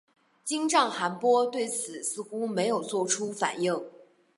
金帐汗拔都对此似乎没有作出反应。